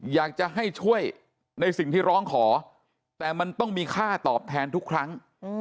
อยากจะให้ช่วยในสิ่งที่ร้องขอแต่มันต้องมีค่าตอบแทนทุกครั้ง